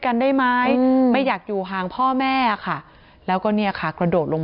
กันได้ไหมไม่อยากอยู่ห่างพ่อแม่ค่ะแล้วก็เนี่ยค่ะกระโดดลง